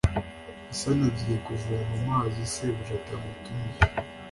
hassan agiye kuvoma amazi sebuja atamutumye